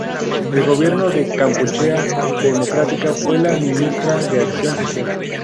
En el gobierno de Kampuchea Democrática, fue la ministra de acción social.